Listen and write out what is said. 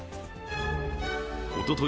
おととい